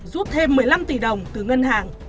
rút thêm một mươi năm tỷ đồng từ ngân hàng